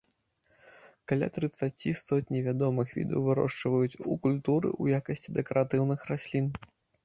Каля трыццаці з сотні вядомых відаў вырошчваюць у культуры ў якасці дэкаратыўных раслін.